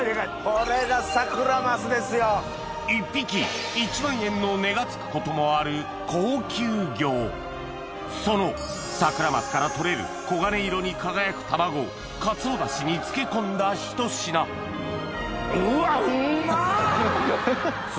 これが。の値が付くこともある高級魚そのサクラマスから採れる黄金色に輝く卵をかつお出汁に漬け込んだ一品うわうんま！